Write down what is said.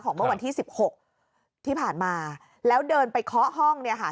เมื่อวันที่สิบหกที่ผ่านมาแล้วเดินไปเคาะห้องเนี่ยค่ะ